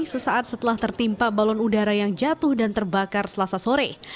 sesaat setelah tertimpa balon udara yang jatuh dan terbakar selasa sore